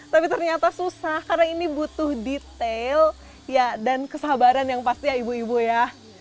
tapi ternyata susah karena ini butuh detail dan kesabaran yang pasti ya ibu ibu ya